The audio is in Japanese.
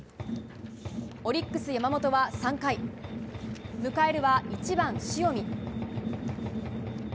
オリックス、山本は３回迎えるは１番、塩見。